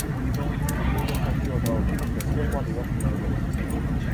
Sus libros han sido traducidos del sueco a diversos idiomas.